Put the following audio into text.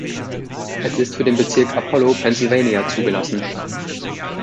Es ist für den Bezirk Apollo, Pennsylvania, zugelassen.